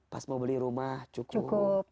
pas mau beli rumah cukup